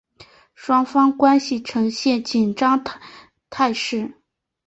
双方关系呈现紧张态势。